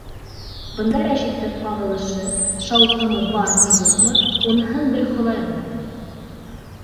Бында Рәшиттең ҡағылышы, шауҡымы бармы-юҡмы -уныһын бер Хоҙай ғына белә.